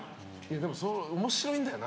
でも面白いんだよな。